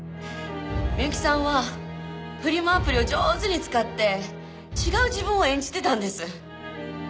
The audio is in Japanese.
美由紀さんはフリマアプリを上手に使って違う自分を演じてたんです。